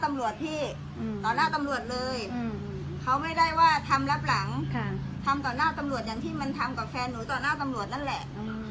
ทำต่อหน้าตำรวจอย่างที่มันทำกับแฟนหนูต่อหน้าตำรวจนั่นแหละ